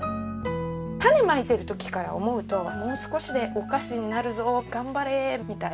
種まいてる時から思うともう少しでお菓子になるぞ頑張れみたいな。